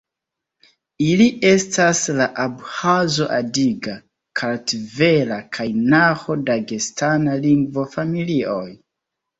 Ili estas la Abĥazo-adiga, Kartvela, kaj Naĥo-Dagestana lingvo-familioj.